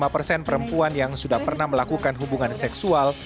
lima persen perempuan yang sudah pernah melakukan hubungan seksual